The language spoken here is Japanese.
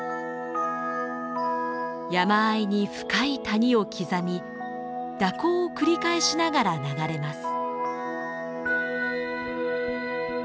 山あいに深い谷を刻み蛇行を繰り返しながら流れます。